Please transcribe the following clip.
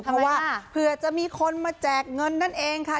เพราะว่าเผื่อจะมีคนมาแจกเงินนั่นเองค่ะ